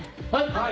はい！